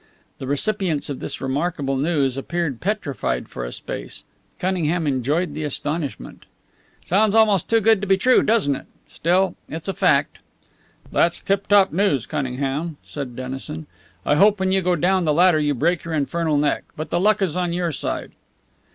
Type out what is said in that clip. The recipients of this remarkable news appeared petrified for a space. Cunningham enjoyed the astonishment. "Sounds almost too good to be true, doesn't it? Still, it's a fact." "That's tiptop news, Cunningham," said Dennison. "I hope when you go down the ladder you break your infernal neck. But the luck is on your side."